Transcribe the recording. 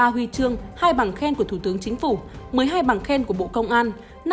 ba huy chương hai bằng khen của thủ tướng chính phủ một mươi hai bằng khen của bộ công an